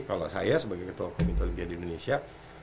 kalau saya sebagai ketua komite olimpia di indonesia